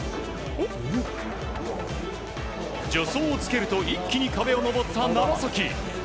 助走をつけると一気に壁を登った楢崎。